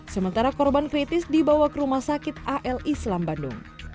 sementara korban kritis dibawa ke rumah sakit al islam bandung